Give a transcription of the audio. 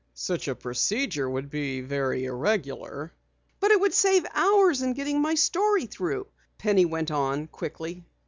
"Such a procedure would be very irregular." "But it would save hours in getting my story through," Penny went on quickly.